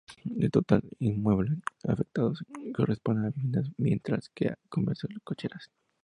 Del total de inmuebles afectados, corresponden a viviendas, mientras que a comercios y cocheras.